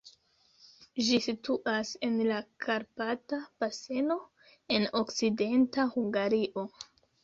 Ĝi situas en la Karpata baseno, en Okcidenta Hungario.